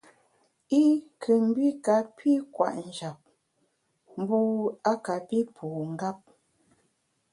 I nkù mbi kapi kwet njap, mbu a kapi pu ngap.